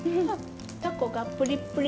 たこがプリップリ。